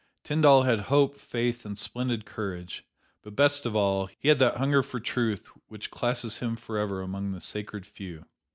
Tyndall had hope, faith and splendid courage; but best of all, he had that hunger for truth which classes him forever among the sacred few.